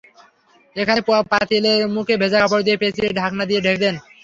এখন পাতিলের মুখে ভেজা কাপড় দিয়ে পেঁচিয়ে ঢাকনা দিয়ে ঢেকে দিন।